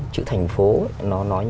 chữ thành phố